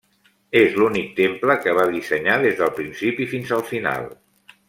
És l'únic temple que va dissenyar des del principi fins al final.